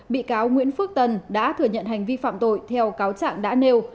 bị cáo nguyễn phước tân đã thừa nhận hành vi phạm tội theo cáo trạng đã nêu